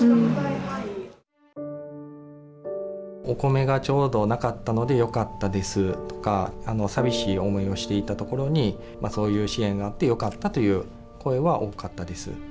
お米がちょうどなかったのでよかったですとか寂しい思いをしていたところにそういう支援があってよかったという声は多かったです。